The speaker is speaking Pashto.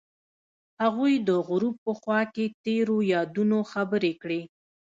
هغوی د غروب په خوا کې تیرو یادونو خبرې کړې.